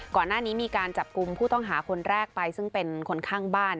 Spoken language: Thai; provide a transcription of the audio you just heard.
ก่อนหน้านี้มีการจับกลุ่มผู้ต้องหาคนแรกไปซึ่งเป็นคนข้างบ้าน